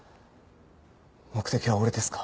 目的は俺ですか？